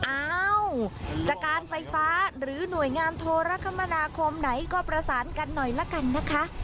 อ้าวจากการไฟฟ้าหรือหน่วยงานโทรคมนาคมไหนก็ประสานกันหน่อยละกันนะคะ